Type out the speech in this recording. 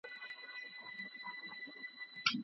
انتقام ته پاڅېدلی بیرغ غواړم